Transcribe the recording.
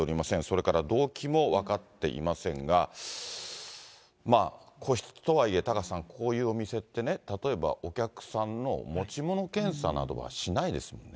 それから動機も分かっていませんが、個室とはいえ、タカさん、こういうお店ってね、例えばお客さんの持ち物検査などはしないですもんね。